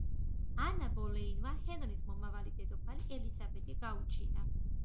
ანა ბოლეინმა ჰენრის მომავალი დედოფალი ელისაბედი გაუჩინა.